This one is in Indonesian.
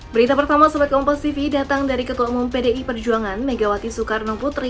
berita pertama sempat komposisi datang dari ketua umum pdi perjuangan megawati soekarno putri